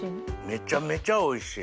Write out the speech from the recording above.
めちゃめちゃおいしい。